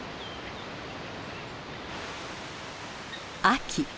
秋。